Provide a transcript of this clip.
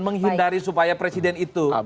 menghindari supaya presiden itu